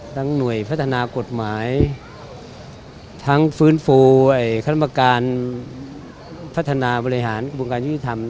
ทั้งหน่วยพัฒนากฎหมายทั้งฟื้นฟูคันธรรมการพัฒนาบริหารกรุงการธิษฐรรม